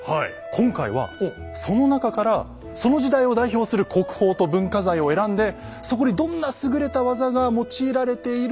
今回はその中からその時代を代表する国宝と文化財を選んでそこにどんな優れた技が用いられているのか調査してきたんです。